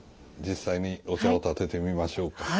実際にお茶を点ててみましょうか。